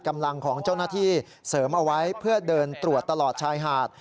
กำลังของเจ้าหน้าที่เสริมเอาไว้เพื่อเดินตรวจตลอดชายหาด